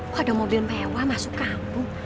wah ada mobilan pewa masuk kampung